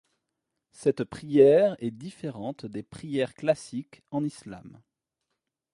Cette prière est différente des prières classiques en islam.